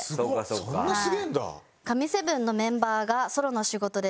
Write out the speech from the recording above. そんなすげえんだ。